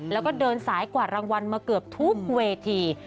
แล้วก็เดินสายกวาดรางวัลมาเกือบทุกเวที